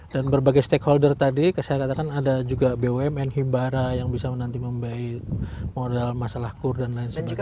dan berbagai stakeholder tadi saya katakan ada juga bumn himbara yang bisa nanti membayar model masalah kur dan lain sebagainya